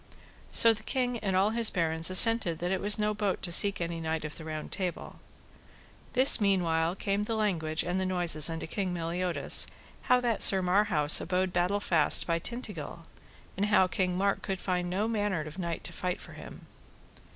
So the king and all his barons assented that it was no bote to seek any knight of the Round Table. This mean while came the language and the noise unto King Meliodas, how that Sir Marhaus abode battle fast by Tintagil, and how King Mark could find no manner knight to fight for him.